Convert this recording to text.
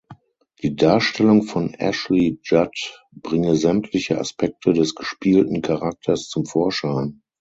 Die Darstellung von Ashley Judd bringe sämtliche Aspekte des gespielten Charakters zum Vorschein.